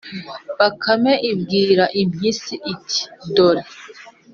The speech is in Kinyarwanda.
bakame ibwira impyisi iti, dore,